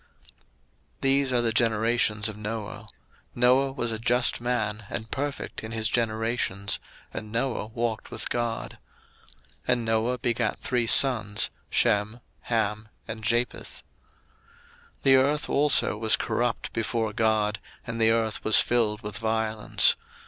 01:006:009 These are the generations of Noah: Noah was a just man and perfect in his generations, and Noah walked with God. 01:006:010 And Noah begat three sons, Shem, Ham, and Japheth. 01:006:011 The earth also was corrupt before God, and the earth was filled with violence.